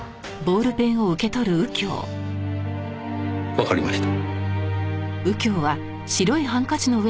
わかりました。